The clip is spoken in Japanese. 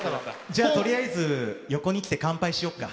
じゃあとりあえず横に来て乾杯しよっか。